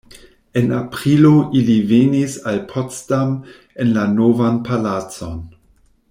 En aprilo ili venis al Potsdam en la Novan palacon.